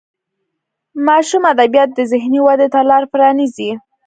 ماشوم ادبیات د ذهني ودې ته لار پرانیزي.